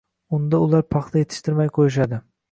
unda ular paxta yetishtirmay qo‘yishadi